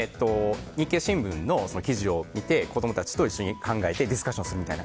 日経新聞の記事を見て子供たちと一緒に考えてディスカッションするみたいな。